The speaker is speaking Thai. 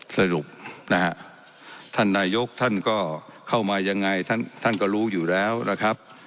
สรุปนะฮะท่านนายกท่านก็เข้ามายังไงท่านท่านก็รู้อยู่แล้วนะครับ